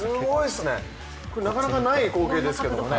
これ、なかなかない光景ですけれども。